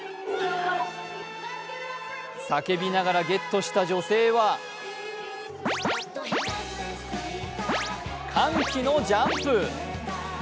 叫びながらゲットした女性は歓喜のジャンプ。